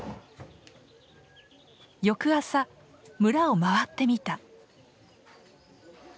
翌朝村を回ってみた。